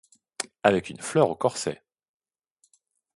Avec une fleur au corset.